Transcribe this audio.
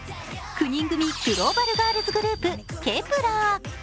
９人組グローバルガールズグループ・Ｋｅｐ１